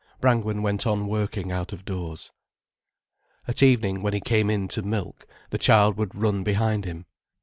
Brangwen went on working out of doors. At evening, when he came in to milk, the child would run behind him.